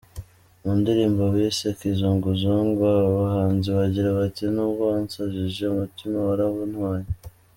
Mu ndirimbo bise ‘Kizunguzungu’ aba bahanzi bagira bati “Nubwo wansajije umutima warawuntwaye…”.